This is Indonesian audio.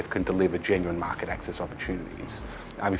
ada chapter yang akan menjadi penting dalam perjalanan digital di ipf